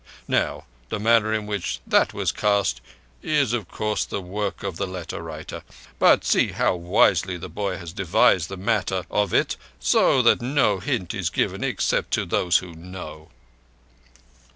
_' Now the manner in which that was cast is, of course, the work of the letter writer, but see how wisely the boy has devised the matter of it so that no hint is given except to those who know!"